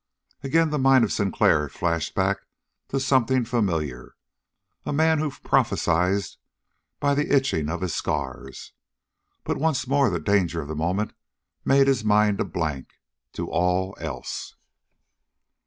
Again the mind of Sinclair flashed back to something familiar. A man who prophesied by the itching of his scars. But once more the danger of the moment made his mind a blank to all else.